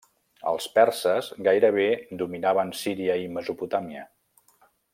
Els perses gairebé dominaven Síria i Mesopotàmia.